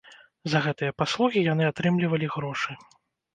За гэтыя паслугі яны атрымлівалі грошы.